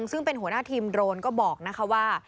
ซึ่งเป็นหัวหน้าทีมโดรนก็บอกนะคะว่า